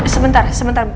sebentar sebentar bu